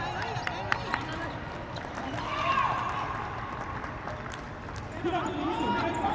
สวัสดีครับทุกคน